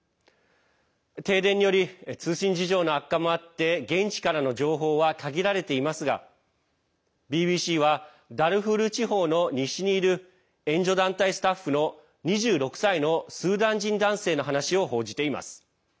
停電により通信事情の悪化もあって現地からの情報は限られていますがＢＢＣは、ダルフール地方の西にいる援助団体スタッフの２６歳のスーダン人男性の話を報じています。